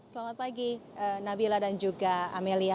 selamat pagi nabila dan juga amelia